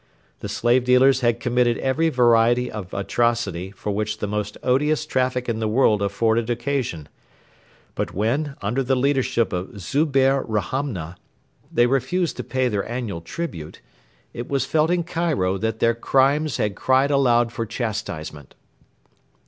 The slave dealers had committed every variety of atrocity for which the most odious traffic in the world afforded occasion; but when, under the leadership of Zubehr Rahamna, they refused to pay their annual tribute, it was felt in Cairo that their crimes had cried aloud for chastisement.